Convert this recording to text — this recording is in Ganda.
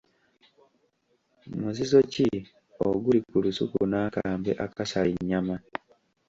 Muzizo ki oguli ku lusuku n'akambe akasala ennyama?